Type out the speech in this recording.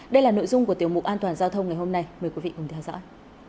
đây là nội dung của tiểu mục an toàn giao thông ngày hôm nay mời quý vị cùng theo dõi